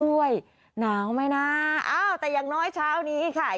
หนาวไหมนะอ้าวแต่อย่างน้อยเช้านี้ค่ะ